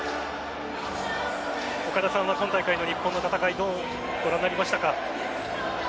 岡田さんは今大会の日本の戦いどうご覧になりましたか？